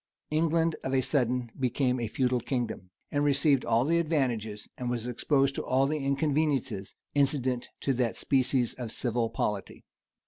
England of a sudden became a feudal kingdom,[] and received all the advantages, and was exposed to all the inconveniences, incident to that species of civil polity.